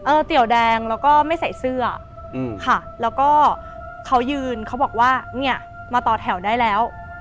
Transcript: เตี๋ยวแดงแล้วก็ไม่ใส่เสื้อค่ะแล้วก็เขายืนเขาบอกว่าเนี่ยมาต่อแถวได้แล้ว